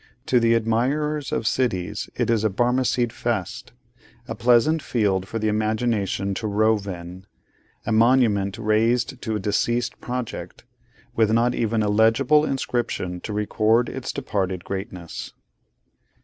To the admirers of cities it is a Barmecide Feast: a pleasant field for the imagination to rove in; a monument raised to a deceased project, with not even a legible inscription to record its departed greatness.